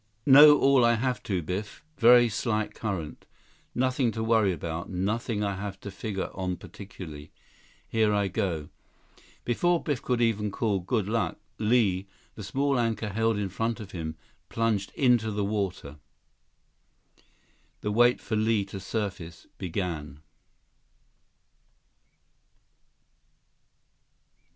"Know all I have to, Biff. Very slight current. Nothing to worry about; nothing I have to figure on particularly. Here I go." Before Biff could even call "good luck," Li, the small anchor held in front of him, plunged into the water. The wait for Li to surface began.